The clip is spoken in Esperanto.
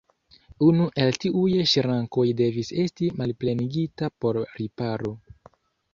Unu el tiuj ŝrankoj devis esti malplenigita por riparo.